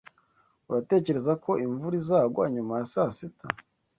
Uratekereza ko imvura izagwa nyuma ya saa sita?